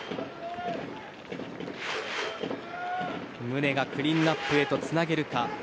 宗がクリーンアップへとつなげるか。